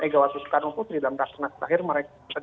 ega wati soekarnopo di dalam raksasa lahir mereka